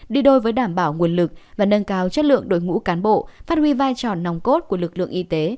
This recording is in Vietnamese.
đi đôi với đảm bảo nguồn lực và nâng cao chất lượng đội ngũ cán bộ phát huy vai trò nòng cốt của lực lượng y tế